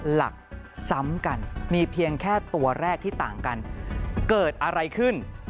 หลักซ้ำกันมีเพียงแค่ตัวแรกที่ต่างกันเกิดอะไรขึ้น